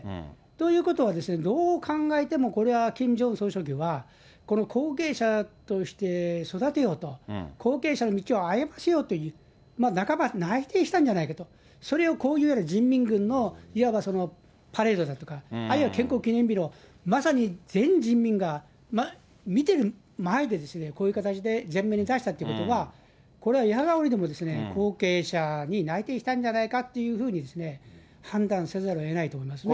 ということは、どう考えても、これはキム・ジョンウン総書記は、この後継者として育てようと、後継者の道を歩ませようという、半ば内定したんじゃないかと、それをこういう、いわゆる人民軍のいわばパレードだとか、あるいは建国記念日のまさに全人民が見てる前で、こういう形で前面に出したということは、これはいやがおうにも後継者に内定したんじゃないかっていうふうに判断せざるをえないと思いますね。